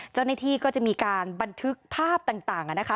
เจ้าหน้าที่ก็จะมีการบันทึกภาพต่างนะคะ